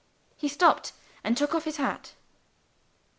He stopped, and took off his hat.